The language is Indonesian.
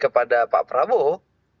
kepada pak prabowo